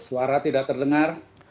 suara tidak terdengar